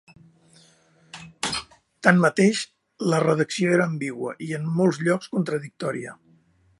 Tanmateix, la redacció era ambigua i, en molts llocs contradictòria.